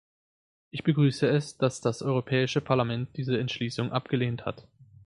Ich begrüße es, dass das Europäische Parlament diese Entschließung abgelehnt hat.